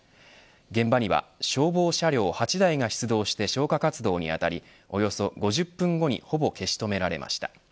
現場には消防車両８台が出動して消火活動にあたりおよそ５０分後にほぼ消し止められました。